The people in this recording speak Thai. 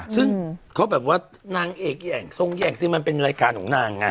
ซึ่งเขาแบบว่านางเอกอย่างทรงแห่งซิมันเป็นรายการของนางไง